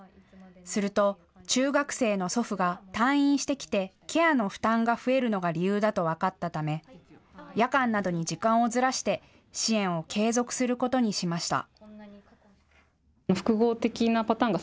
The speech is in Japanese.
すると、中学生の祖父が退院してきてケアの負担が増えるのが理由だと分かったため夜間などに時間をずらして支援を継続することにしました。